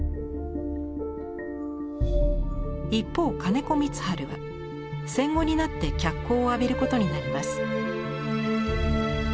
一方金子光晴は戦後になって脚光を浴びることになります。